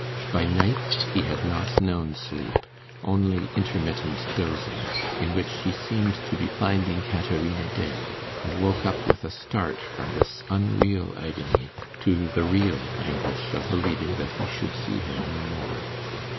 By night he had not known sleep only intermittent dozing, in which he seemed to be finding Caterina dead, and woke up with a start from this unreal agony to the real anguish of believing that he should see her no more.